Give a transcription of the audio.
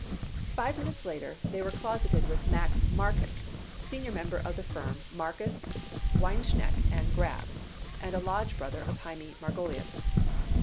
Five minutes later they were closeted with Max Marcus, senior member of the firm of Marcus, Weinschenck & Grab, and a lodge brother of Hymie Margolius.